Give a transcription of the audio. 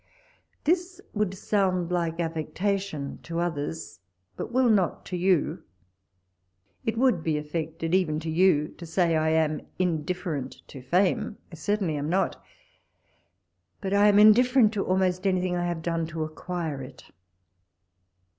This would sound like affectation to others, but will not to you. It would be affected, even to you, to say I am in different to fame. I certainly am not, but I am indifferent to almost anything I have done to acquire it.